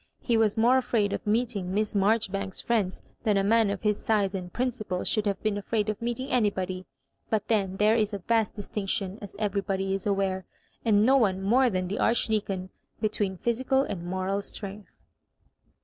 He was more afraid of meeting Miss Marjoribanks's friends tlian a man of his size and principles should have been afraid of meeting anybody; but then there is a vast distinction, as everybody is aware, and no one more than the Archdeacon, between physical and moral strength.